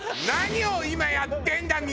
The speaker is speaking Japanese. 何を今やってんだ！